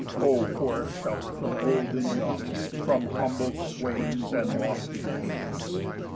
O for a shout from old and young, From humble swains, and lofty kings!